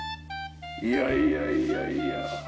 いやいやいやいや。